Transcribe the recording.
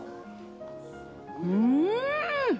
うん！